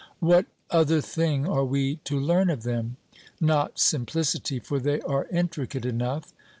What other thing are we to learn of them? Not simplicity, for they are intricate enough.